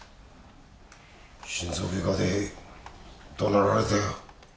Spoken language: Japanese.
心臓外科で怒鳴られたよ